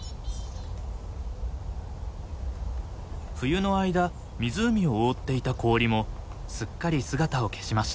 冬の間湖を覆っていた氷もすっかり姿を消しました。